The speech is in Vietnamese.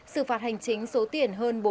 sự phạt hành chính số tiền hơn